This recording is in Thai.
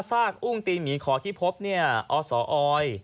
ทราปทราบอุ้งตีหมี่ขอที่พบอร์ตสออย